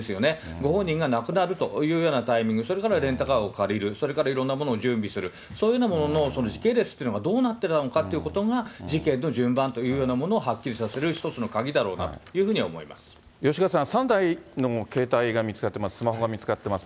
ご本人が亡くなるというようなタイミング、それからレンタカーを借りる、それからいろんなものを準備する、そういうようなものの、時系列というのがどうなってたのかということが、事件の順番というようなものをはっきりさせる、一つの鍵だろうなというふうに思吉川さん、３台の携帯が見つかっています、スマホが見つかってます。